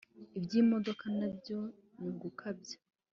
Iby’imodoka nabyo ni ugukabya